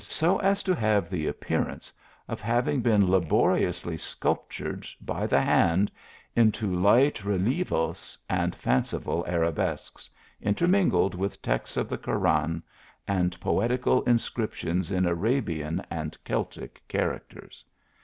>o as lo have the appearance cf having been hbor!c i r ^ sculptured by the hand into light relievos and fanci ful arabesques, intermingled with texts of the Koran, and poetical inscriptions in Arabian and Celtic char acters.